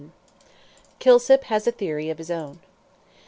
KILSIP HAS A THEORY OF HIS OWN.